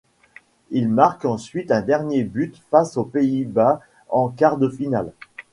Il marque ensuite un dernier but face aux Pays-Bas en quart de finale.